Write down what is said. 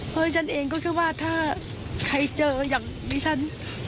เพราะฉะนั้นฉันเองก็คิดว่าถ้าใครเจออย่างดิฉัน